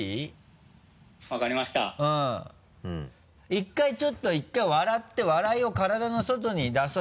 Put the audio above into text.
１回ちょっと１回笑って笑いを体の外に出そう。